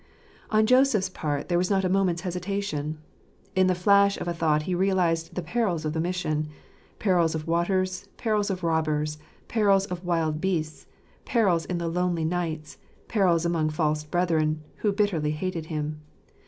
On Joseph's part there was not a moment's hesitation. In the flash of a thought he realized the perils of the mission — perils of waters, perils of robbers, perils of wild beasts, perils in the lonely nights, perils among false brethren, who bitterly hated him.